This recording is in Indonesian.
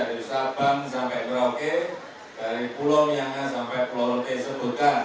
dari sabang sampai merauke dari pulau myanga sampai pulau roke sebutkan tujuh